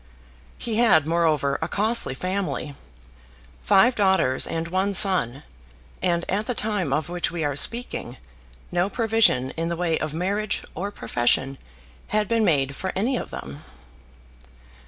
He had, moreover, a costly family, five daughters and one son, and, at the time of which we are speaking, no provision in the way of marriage or profession had been made for any of them.